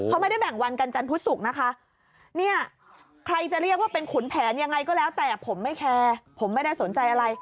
เขาไม่ได้แบ่งวันกันจันทร์พุธศุกร์นะคะเนี่ยใครจะเรียกว่าเป็นขุนแผนยังไงก็แล้วแต่ผมไม่แคร์ผมไม่ได้สนใจอะไร